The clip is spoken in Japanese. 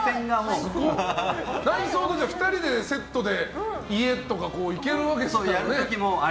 内装、２人セットで家とかいけるわけですよね。